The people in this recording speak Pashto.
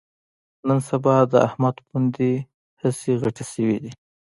نن سبا د احمد پوندې هسې غټې شوې دي